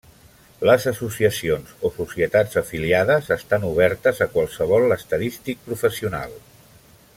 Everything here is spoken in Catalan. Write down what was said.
Les associacions o societats afiliades estan obertes a qualsevol estadístic professional.